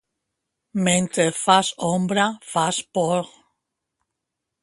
Mentre fas ombra, fas por.